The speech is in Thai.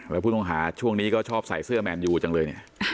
แล้วผู้ต้องหาช่วงนี้ก็ชอบใส่เสื้อแมนยูจังเลยเนี่ย